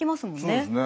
そうですね。